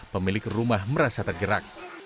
pemilik rumah merasa tergerak